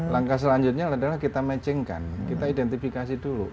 langkah selanjutnya adalah kita matching kan kita identifikasi dulu